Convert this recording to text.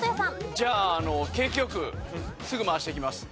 じゃああの景気よくすぐ回していきます。